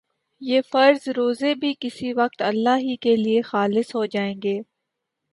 یہ فرض روزے بھی کسی وقت اللہ ہی کے لیے خالص ہو جائیں گے